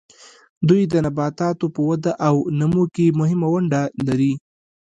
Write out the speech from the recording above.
دوی د نباتاتو په وده او نمو کې مهمه ونډه لري.